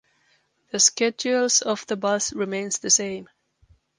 The schedules of the bus remains the same.